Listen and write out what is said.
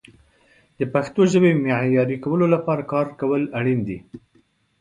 د پښتو ژبې معیاري کولو لپاره کار کول اړین دي.